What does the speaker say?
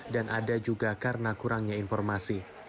dan ada juga karena kurangnya informasi